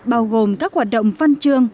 bao gồm các hoạt động văn chương